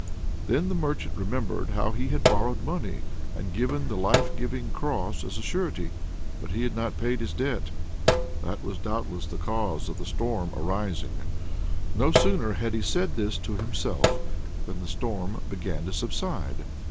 Then the merchant remembered how he had borrowed money, and given the life giving cross as a surety, but had not paid his debt. That was doubtless the cause of the storm arising! No sooner had he said this to himself than the storm began to subside.